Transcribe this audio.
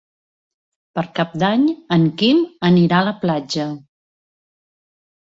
Per Cap d'Any en Quim anirà a la platja.